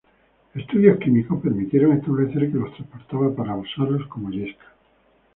Estudios químicos permitieron establecer que los transportaba para usarlos como yesca.